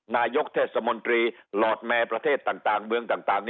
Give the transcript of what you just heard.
นายกเทศมนตรีหลอดแมร์ประเทศต่างเมืองต่าง